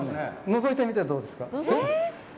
のぞいてみたらどうですか？